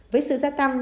với sự gia tăng